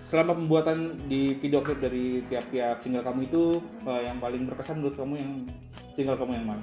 selama pembuatan di videoclip dari tiap tiap single kamu itu yang paling berkesan menurut kamu yang single commony